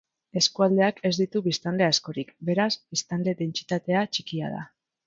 Eskualdeak ez ditu biztanle askorik, beraz, biztanle dentsitatea txikia da.